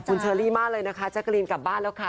คุณเชอรี่มากเลยนะคะแจ๊กกะรีนกลับบ้านแล้วค่ะ